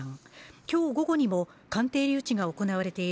今日午後にも鑑定留置が行われている